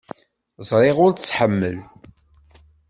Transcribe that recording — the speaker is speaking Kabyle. Ẓriɣ ur tt-tḥemmel.